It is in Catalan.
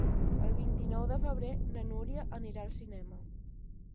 El vint-i-nou de febrer na Núria anirà al cinema.